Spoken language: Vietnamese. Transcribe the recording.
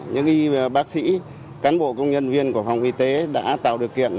những y bác sĩ cán bộ công nhân viên của phòng y tế đã tạo được kiện